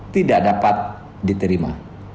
tidak dapat diterima